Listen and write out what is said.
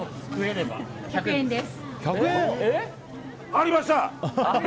ありました！